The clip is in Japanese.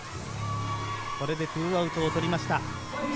これで２アウトを取りました。